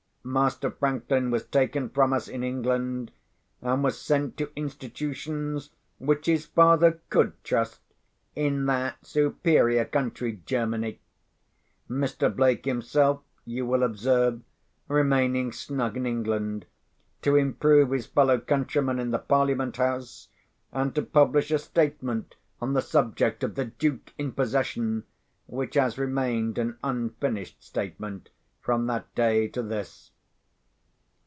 Master Franklin was taken from us in England, and was sent to institutions which his father could trust, in that superior country, Germany; Mr. Blake himself, you will observe, remaining snug in England, to improve his fellow countrymen in the Parliament House, and to publish a statement on the subject of the Duke in possession, which has remained an unfinished statement from that day to this.